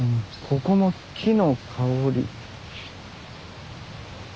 ここの木の香り。